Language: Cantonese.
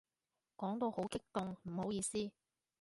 講到好激動，唔好意思